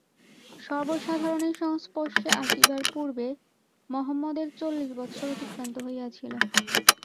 সর্বসাধারণের সংস্পর্শে আসিবার পূর্বে মহম্মদের চল্লিশ বৎসর অতিক্রান্ত হইয়াছিল।